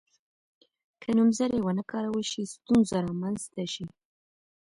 که نومځري ونه کارول شي ستونزه رامنځته شي.